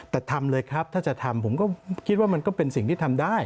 แต่ทำเลยครับถ้าจะทำผมก็คิดว่ามันก็เป็นสิ่งที่ทำได้